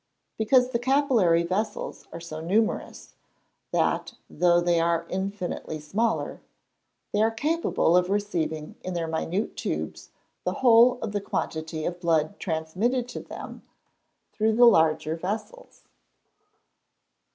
_ Because the capillary vessels are so numerous, that though they are infinitely smaller, they are capable of receiving in their minute tubes the whole of the quantity of blood transmitted to them through the larger vessels.